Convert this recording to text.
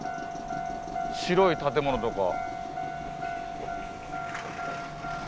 白い建物とか。